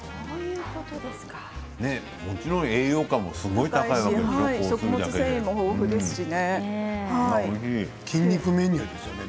もちろん栄養価もすごい高いですよね。